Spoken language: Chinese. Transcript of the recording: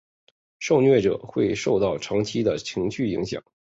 受虐者会受到长期的情绪影响。